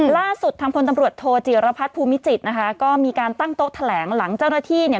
ล่าสุดทางพลตำรวจโทจิรพัฒน์ภูมิจิตรนะคะก็มีการตั้งโต๊ะแถลงหลังเจ้าหน้าที่เนี่ย